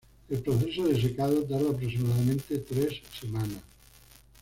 El proceso de secado tarda aproximadamente tres semanas.